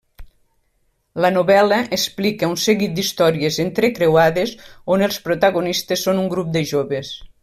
La novel·la explica un seguit d'històries entrecreuades, on els protagonistes són un grup de joves.